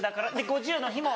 ５０の日も。